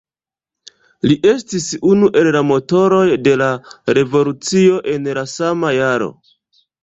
Li estis unu el la motoroj de la revolucio en la sama jaro.